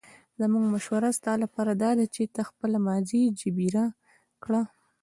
زموږ مشوره ستا لپاره داده چې ته خپله ماضي جبیره کړه.